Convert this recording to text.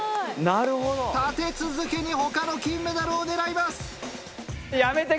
立て続けに他の金メダルを狙います。